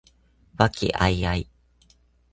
和気藹々